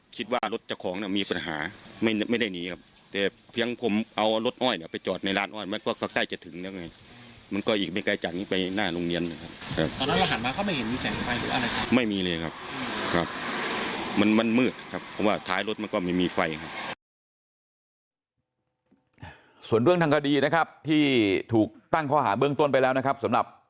ส่วนเรื่องทางคดีนะครับที่ถูกตั้งข้อหาเบื้องต้นไปแล้วนะครับสำหรับ